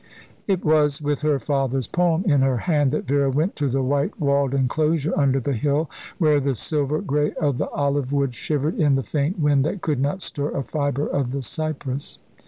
It was with her father's poem in her hand that Vera went to the white walled enclosure under the hill, where the silver grey of the olive woods shivered in the faint wind that could not stir a fibre of the cypress.